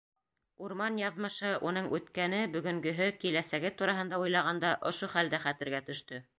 Урман яҙмышы, уның үткәне, бөгөнгөһө, киләсәге тураһында уйлағанда ошо хәл дә хәтергә төштө.